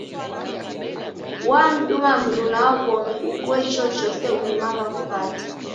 Wamduma mruna wa w'omi uguo ichochose udimagha kupata.